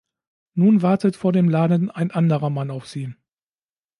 Nun wartet vor dem Laden ein anderer Mann auf sie.